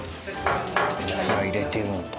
油入れてるんだ。